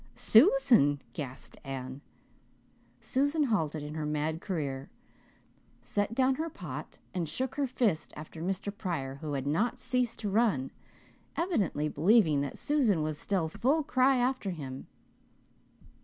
"Susan," gasped Anne. Susan halted in her mad career, set down her pot, and shook her fist after Mr. Pryor, who had not ceased to run, evidently believing that Susan was still full cry after him.